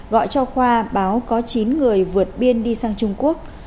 gọi cho khoa báo có chín người vượt biên đi sang trung quốc